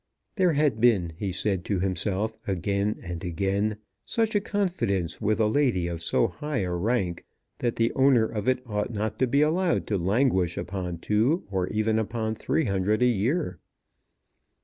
There had been, he said to himself again and again, such a confidence with a lady of so high a rank, that the owner of it ought not to be allowed to languish upon two or even upon three hundred a year.